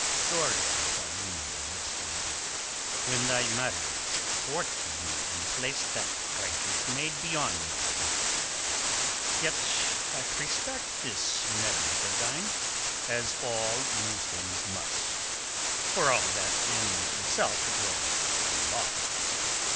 "Sorely was I wounded yesternight when thy marriage thwarted me and placed that Frankish maid beyond my reach. Yet I respect this marriage of thine, as all Muslims must—for all that in itself it was unlawful.